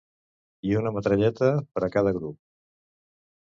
I una metralleta per a cada grup